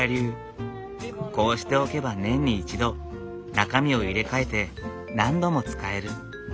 こうしておけば年に一度中身を入れ替えて何度も使える。